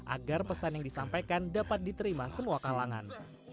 agar pesan yang disampaikan dapat diterima semua kalangan